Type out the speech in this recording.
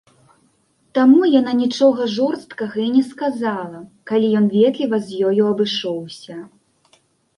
Таму яна нічога жорсткага і не сказала, калі ён ветліва з ёю абышоўся.